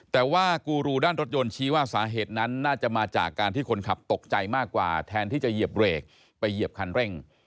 แต่ว่ากูรูด้านรถยนต์ชี้ว่าสาเหตุนั้นน่าจะมาจากการที่คนขับตกใจมากกว่าแทนที่จะเหยียบเบรกไปเหยียบคันเร่ง